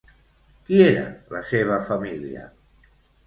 Qui era la seva família?